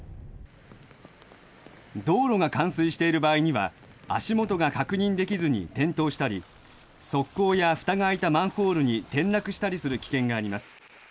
道路が冠水している場合には足元が確認できずに転倒したり側溝やふたが開いたマンホールに転落したりする危険があります。